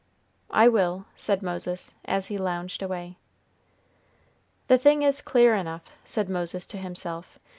"I will," said Moses, as he lounged away. "The thing is clear enough," said Moses to himself.